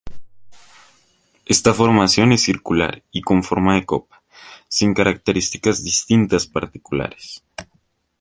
Esta formación es circular y con forma de copa, sin características distintivas particulares.